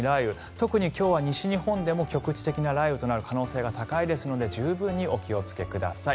特に今日は西日本でも局地的な雷雨となる可能性が高いですので十分にお気をつけください。